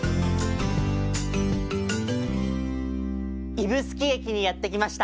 指宿駅にやってきました！